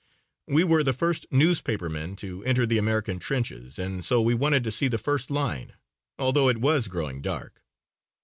We were the first newspapermen to enter the American trenches and so we wanted to see the first line, although it was growing dark.